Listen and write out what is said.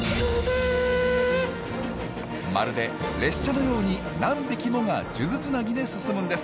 まるで列車のように何匹もが数珠つなぎで進むんです。